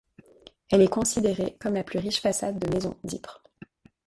Elle est considérée comme la plus riche façade de maison d'Ypres.